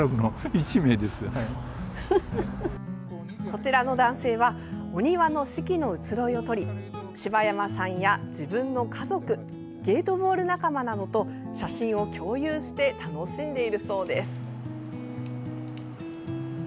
こちらの男性はお庭の四季の移ろいを撮り柴山さんや、自分の家族ゲートボール仲間などと写真を共有して楽しんでいるそうです。